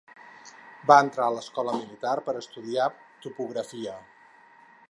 Va entrar a l'escola militar per estudiar topografia.